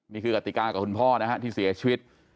นี่คือกติกากับคุณพ่อนะครับที่เสียชีวิต